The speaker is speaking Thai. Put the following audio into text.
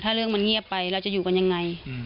ถ้าเรื่องมันเงียบไปเราจะอยู่กันยังไง